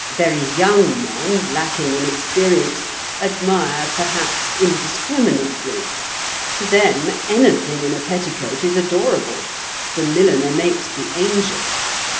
Very young men, lacking in experience, admire perhaps indiscriminately. To them, anything in a petticoat is adorable: the milliner makes the angel.